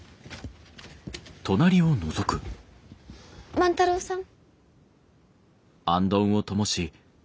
万太郎さん？